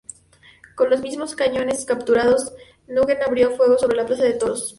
Con los mismos cañones capturados, Nugent abrió fuego sobre la Plaza de Toros.